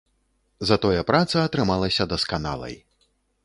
Затое праца атрымалася дасканалай.